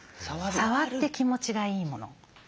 触って気持ちがいいもの。